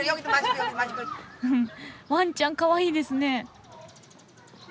ワンちゃんかわいいですね。